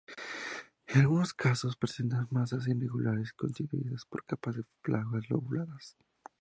En algunos casos, presentan masas irregulares constituidas por capas de placas lobuladas.